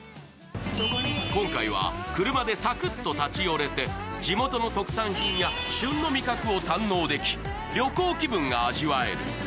今回は車でサクッと立ち寄れて、地元の特産品や旬の味覚を堪能でき、旅行気分が味わえる。